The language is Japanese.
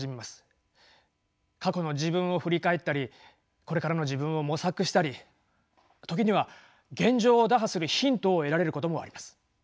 過去の自分を振り返ったりこれからの自分を模索したり時には現状を打破するヒントを得られることもあります。